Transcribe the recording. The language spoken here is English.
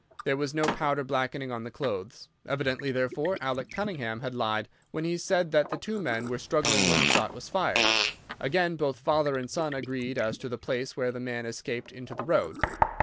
There was no powder blackening on the clothes. Evidently, therefore, Alec Cunningham had lied when he said that the two men were struggling when the shot was fired. Again, both father and son agreed as to the place where the man escaped into the road.